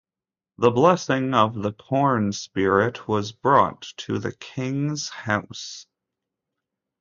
The blessing of the corn-spirit was brought to the king's house.